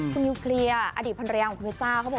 ผู้ย์พรีอดิพันตุรยาห์ของคุณพี่จ้า